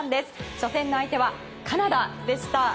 初戦の相手はカナダでした。